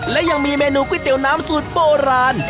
และยังมีเมนูก๋วยเตี๋ยวน้ำสูตรโบราณ